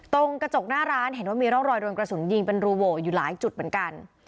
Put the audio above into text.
ตรงกระจกหน้าร้านเห็นว่ามีร่องรอยโดนกระสุนยิงเป็นรูโหวอยู่หลายจุดเหมือนกัน